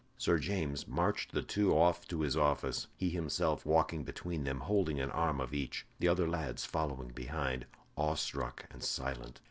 Sir James marched the two off to his office, he himself walking between them, holding an arm of each, the other lads following behind, awe struck and silent.